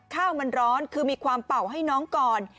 ข้าวมันร้อนคือมีความเป่าให้น้องก่อน